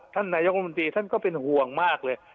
นายกรมนตรีท่านก็เป็นห่วงมากเลย